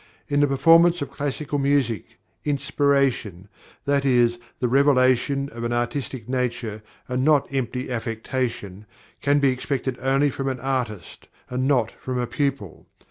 In the performance of classical music, inspiration that is, the revelation of an artistic nature and not empty affectation can be expected only from an artist, and not from a pupil.